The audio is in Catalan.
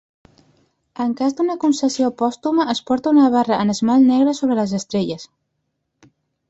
En cas d'una concessió pòstuma es porta una barra en esmalt negre sobre les estrelles.